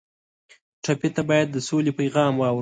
ټپي ته باید د سولې پیغام واورو.